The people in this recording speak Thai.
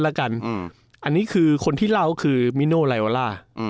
แล้วกันอันนี้คือคนที่เล่าคือมิโนไลโอล่า